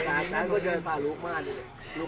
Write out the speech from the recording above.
แล้วไม่เช็ดเห็นลูกเป็นเรา